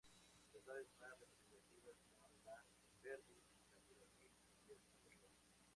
Las aves más representativas son la perdiz, la codorniz y el mirlo.